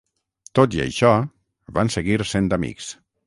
Tot i això, van seguir sent amics.